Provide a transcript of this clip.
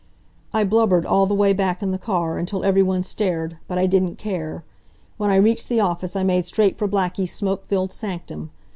I blubbered all the way back in the car, until everyone stared, but I didn't care. When I reached the office I made straight for Blackie's smoke filled sanctum.